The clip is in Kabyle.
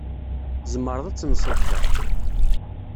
Tzemreḍ ad tenseḍ da.